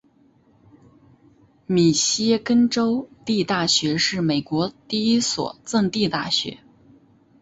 密歇根州立大学是美国第一所赠地大学。